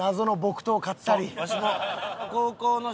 わしも。